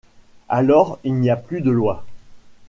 Alors il n’y a plus de lois.